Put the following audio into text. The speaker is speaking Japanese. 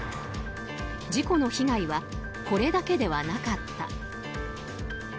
事故の被害はこれだけではなかった。